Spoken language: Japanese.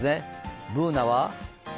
Ｂｏｏｎａは？